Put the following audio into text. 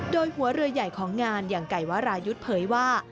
โดยหัวเรือใหญ่ของงานอย่างไก่วรายุทธ์เผยว่า